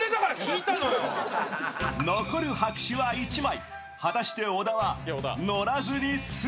残る白紙は１枚。